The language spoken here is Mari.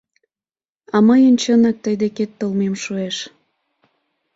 А мыйын чынак тый декет толмем шуэш...